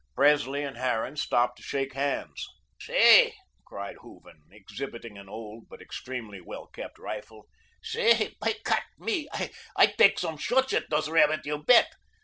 Presley and Harran stopped to shake hands. "Say," cried Hooven, exhibiting an old, but extremely well kept, rifle, "say, bei Gott, me, I tek some schatz at dose rebbit, you bedt.